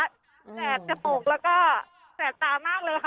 แสดจระโปรกแล้วก็แสดตามากเลยค่ะ